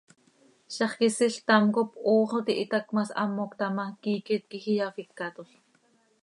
Zaxt quisil ctam cop hoox oo tihitac ma, shamoc taa ma, quiiquet quij iyafícatol.